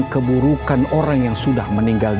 keburukan orang yang sudah meninggal